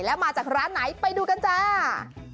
แล้วมาจากร้านไหนไปดูกันจ้า